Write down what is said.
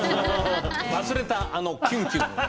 忘れたあのキュンキュンを。